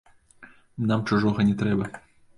Нам чужога не трэба.